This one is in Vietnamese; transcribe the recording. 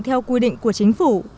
theo quy định của chính phủ